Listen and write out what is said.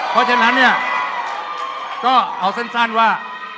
เพราะฉะนั้นเนี่ยก็เอาสั้นว่า